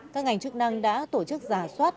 các ngành chức năng đã tổ chức giả soát